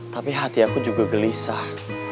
tapi hati aku juga gelisah